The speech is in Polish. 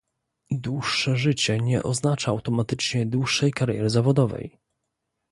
Dłuższe życie nie oznacza automatycznie dłuższej kariery zawodowej